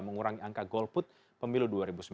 mengurangi angka golput pemilu dua ribu sembilan belas